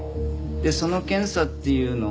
でその検査っていうのが。